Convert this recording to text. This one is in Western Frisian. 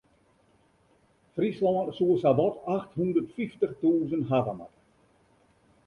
Fryslân soe sawat acht hûndert fyftich tûzen hawwe moatte.